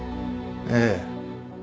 ええ